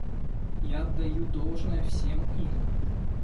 Я отдаю должное всем им.